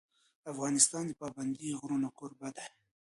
افغانستان د پابندی غرونه کوربه دی.